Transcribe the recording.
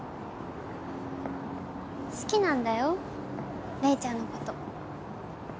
好きなんだよ玲ちゃんのこと。